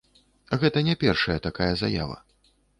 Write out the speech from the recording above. Гэта не першая такая заява.